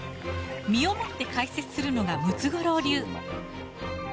身をもって解説するのがムツゴロウ流。